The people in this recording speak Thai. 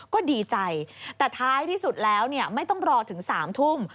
ก็ดีใจแต่ท้ายที่สุดแล้วไม่ต้องรอถึง๓ทุ่ม